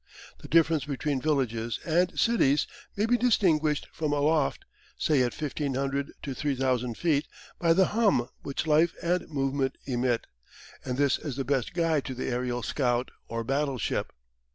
The difference between villages and cities may be distinguished from aloft, say at 1,500 to 3,000 feet, by the hum which life and movement emit, and this is the best guide to the aerial scout or battleship.